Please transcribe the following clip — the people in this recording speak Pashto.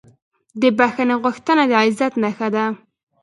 د بښنې غوښتنه د عزت نښه ده.